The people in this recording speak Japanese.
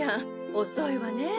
おそいわねえ。